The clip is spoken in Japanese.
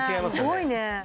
すごいね。